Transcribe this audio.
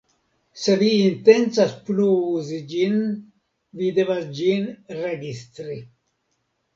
Se vi intencas plu uzi ĝin, vi devas ĝin registri.